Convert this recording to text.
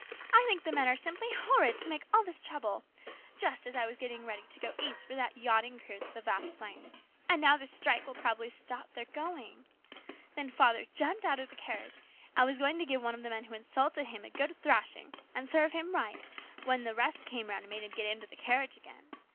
I think the men are simply horrid to make all this trouble just as I was getting ready to go East for that yachting cruise with the Vasplaines ; and now this strike will probably stop their going. Then father jumped out of the carriage, and was going to give one of the men who insulted him a good thrashing, and serve him right, when the rest came round and made him get into the carriage again.